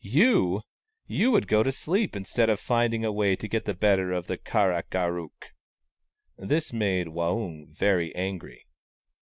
" You ! You would go to sleep instead of finding a way to get the better of the Kar ak ar ook !" This made Waung very angry.